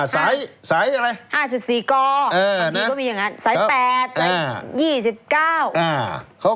สายอะไร